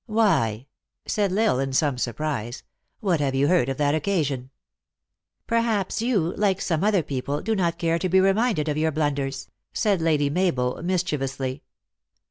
" Why," said L Isle, in some surprise, " what have you heard of that occasion ?"" Perhaps you, like some other people, do not care to be reminded of your blunders," said Lady Mabel, mischievously.